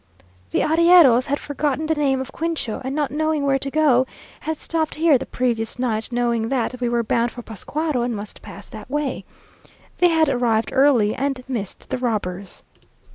The arrieros had forgotten the name of Cuincho, and not knowing where to go, had stopped here the previous night, knowing that, we were bound for Pascuaro, and must pass that way. They had arrived early, and missed the robbers.